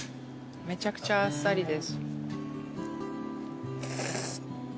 めちゃくちゃあっさりです。